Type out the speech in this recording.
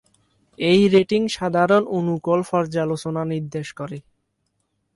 এই রেটিং "সাধারণত অনুকূল পর্যালোচনা" নির্দেশ করে।